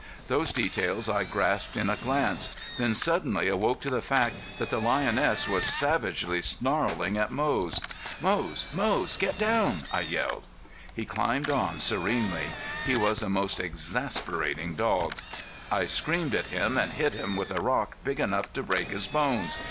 Those details I grasped in a glance, then suddenly awoke to the fact that the lioness was savagely snarling at Moze. "Moze! Moze! Get down!" I yelled. He climbed on serenely. He was a most exasperating dog. I screamed at him and hit him with a rock big enough to break his bones.